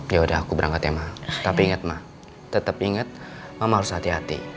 yaudah aku berangkat ya ma tapi inget ma tetep inget mama harus hati hati